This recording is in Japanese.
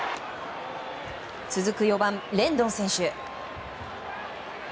続く４番、レンドン選手。